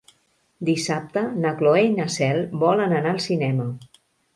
Dissabte na Cloè i na Cel volen anar al cinema.